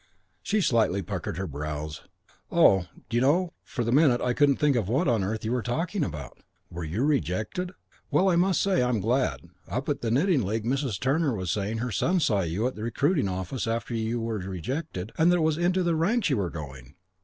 She slightly puckered her brows. "Oh d'you know, for the minute I couldn't think what on earth you were talking about. Were you rejected? Well, I must say I'm glad. Up at the Knitting League Mrs. Turner was saying her son saw you at the recruiting office after you were rejected and that it was into the ranks you were going.